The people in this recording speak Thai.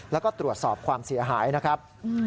แล้วก็ตรวจสอบความเสียหายนะครับ